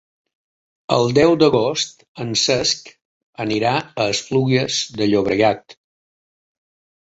El deu d'agost en Cesc anirà a Esplugues de Llobregat.